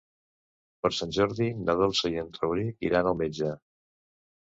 Per Sant Jordi na Dolça i en Rauric iran al metge.